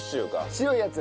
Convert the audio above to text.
白いやつ？